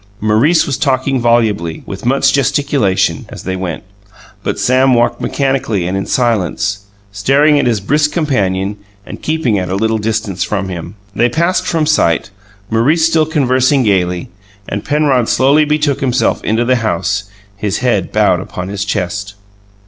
Maurice was talking volubly, with much gesticulation, as they went; but Sam walked mechanically and in silence, staring at his brisk companion and keeping at a little distance from him. They passed from sight, Maurice still conversing gayly and Penrod slowly betook himself into the house, his head bowed upon his chest.